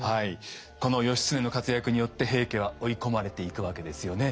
この義経の活躍によって平家は追い込まれていくわけですよね。